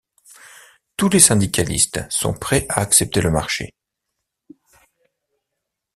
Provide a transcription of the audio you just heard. Tous les syndicalistes sont prêts à accepter le marché.